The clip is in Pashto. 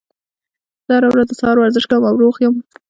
زه هره ورځ د سهار ورزش کوم او روغ یم